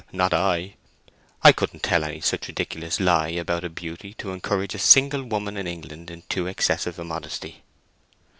Not I. I couldn't tell any such ridiculous lie about a beauty to encourage a single woman in England in too excessive a modesty."